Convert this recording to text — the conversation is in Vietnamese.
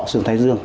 sương thái dương